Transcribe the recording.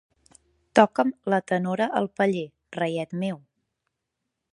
Toca'm la tenora al paller, reiet meu.